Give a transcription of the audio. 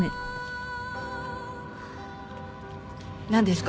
何ですか？